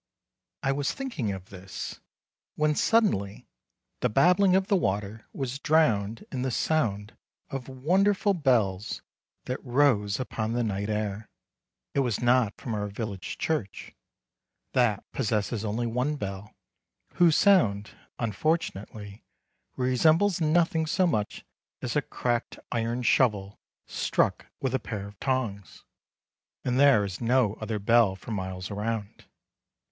I was thinking of this, when suddenly the babbling of the water was drowned in the sound of wonderful bells that rose upon the night air. It was not from our village church; that possesses only one bell, whose sound, unfortunately, resembles nothing so much as a cracked iron shovel struck with a pair of tongs: and there is no other bell for miles around.